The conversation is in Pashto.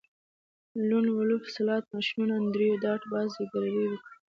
لون وولف سلاټ ماشینونه انډریو ډاټ باس زګیروی وکړ